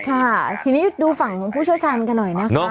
ค่ะทีนี้ดูฝั่งของผู้เชี่ยวชาญกันหน่อยนะคะ